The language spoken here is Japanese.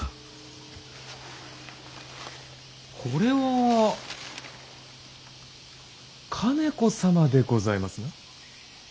これは兼子様でございますな。